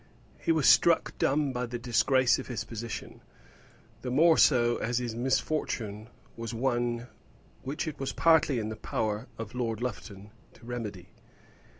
He was struck dumb by the disgrace of his position; the more so as his misfortune was one which it was partly in the power of Lord Lufton to remedy.